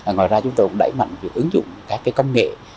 ngoài ra chúng tôi cũng đẩy mạnh việc ứng dụng các công nghệ